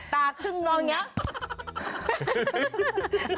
ครึ่งน้องอย่างนี้